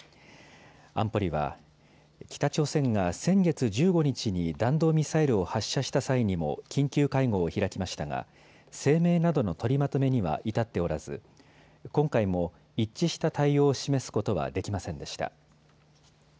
安保理は北朝鮮が先月１５日に弾道ミサイルを発射した際にも緊急会合を開きましたが声明などの取りまとめには至っておらず今回も一致した対応を示すことはできませんでした。